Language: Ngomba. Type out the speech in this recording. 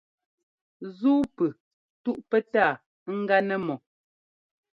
Ńzúu pʉ túʼ pɛtáa ɛ́gá nɛ́ mɔ.